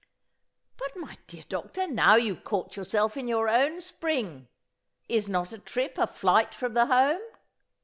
"But, my dear doctor, now you've caught yourself in your own springe. Is not a trip a flight from the home?"